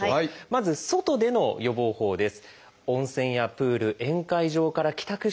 まず外での予防法です。